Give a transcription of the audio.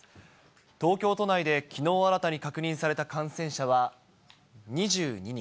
東京都内できのう新たに確認された感染者は２２人。